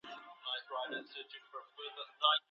ولي افغان سوداګر کیمیاوي سره له چین څخه واردوي؟